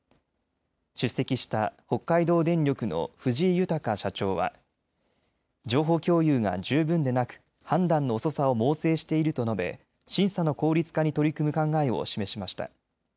出席した北海道電力の藤井裕社長は情報共有が十分でなく判断の遅さを猛省していると述べ審査の効率化に取り組む考えを示しました。